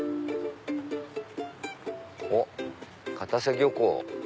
おっ「片瀬漁港」。